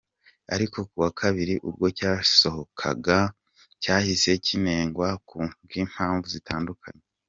Ariko ku wa kabiri ubwo cyasohokaga cyahise kinengwa ku bw’impamvu zitandukanye .